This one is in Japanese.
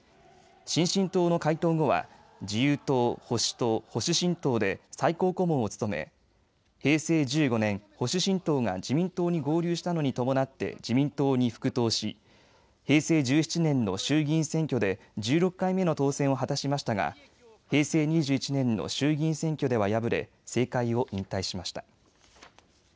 新進党の解党後は自由党、保守党、保守新党で最高顧問を務め平成１５年、保守新党が自民党に合流したのに伴って自民党に復党し平成１７年の衆議院選挙で１６回目の当選を果たしましたが平成２１年の衆議院選挙では敗れ政界を引退しました。